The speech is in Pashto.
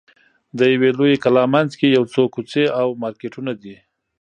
د یوې لویې کلا منځ کې یو څو کوڅې او مارکېټونه دي.